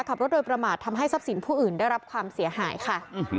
ขับรถโดยประมาททำให้ทรัพย์สินผู้อื่นได้รับความเสียหายค่ะ